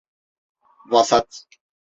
Vasat…